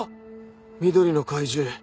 緑の怪獣。